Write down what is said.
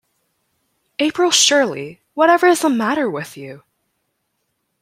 April Shirley, whatever is the matter with you?